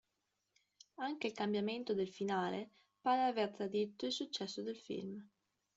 Anche il cambiamento del finale pare aver tradito il successo del film.